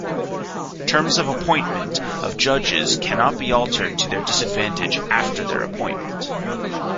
Terms of appointment of judges cannot be altered to their disadvantage after their appointment.